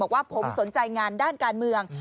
บอกว่าผมสนใจงานด้านการเมือง